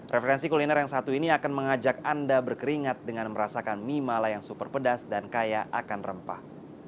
referensi kuliner yang satu ini akan mengajak anda berkeringat dengan merasakan mie mala yang super pedas dan kaya akan rempah